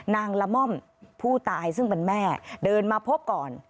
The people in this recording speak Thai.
ละม่อมผู้ตายซึ่งเป็นแม่เดินมาพบก่อน